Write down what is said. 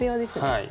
はい。